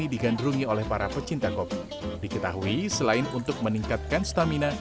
diketahui selain untuk meningkatkan stamina